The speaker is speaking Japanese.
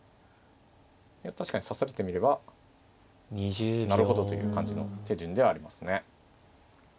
確かに指されてみればなるほどという感じの手順ではありますね。